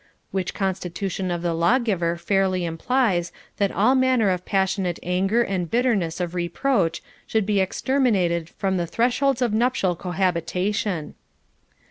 Which constitution of the lawgiver fairly implies that all manner of passionate anger and bitterness of re proach should be exterminated from the thresholds of nuptial cohabitation.